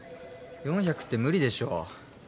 ４００って無理でしょ。